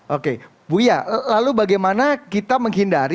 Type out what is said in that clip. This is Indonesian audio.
oke bu ya lalu bagaimana kita menghindari